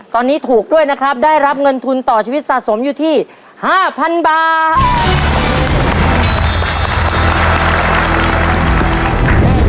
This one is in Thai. ตอนนี้ถูกด้วยนะครับได้รับเงินทุนต่อชีวิตสะสมอยู่ที่๕๐๐๐บาท